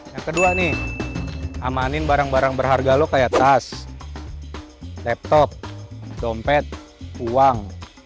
yang kedua nih amanin barang barang berharga lo kayak tas laptop dompet uang